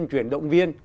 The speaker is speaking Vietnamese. tuyên truyền động viên